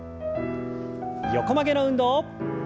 横曲げの運動。